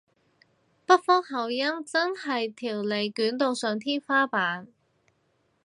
北方口音真係條脷捲到上天花板